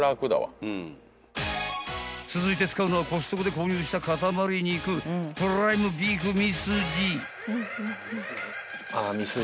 ［続いて使うのはコストコで購入した塊肉プライムビーフミスジ］